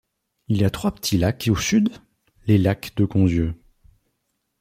Il y a trois petits lacs au sud, les lacs de Conzieu.